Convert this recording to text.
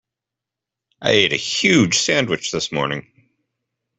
I ate a huge sandwich this morning.